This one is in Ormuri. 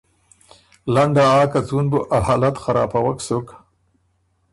لنډه آ که څُون بُو ا حالت خرابوک سُک